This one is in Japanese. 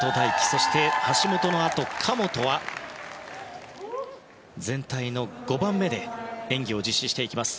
そして、橋本のあと神本は全体の５番目で演技を実施していきます。